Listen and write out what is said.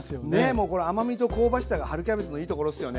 もうこれ甘みと香ばしさが春キャベツのいいところっすよね。